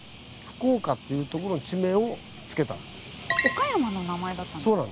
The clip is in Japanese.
岡山の名前だったんですか？